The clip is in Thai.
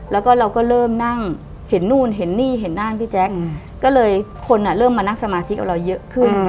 แล้วก็เราก็เริ่มนั่งเห็นนู่นเห็นนี่เห็นนั่นพี่แจ๊คก็เลยคนเริ่มมานั่งสมาธิกับเราเยอะขึ้น